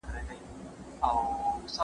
د لیکوالو تلینونه باید په درنښت یاد شي.